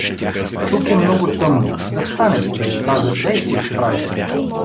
— Тук е много тъмно, да станем — каза тя и се изправи.